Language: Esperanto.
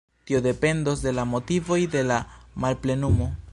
Tio dependos de la motivoj de la malplenumo.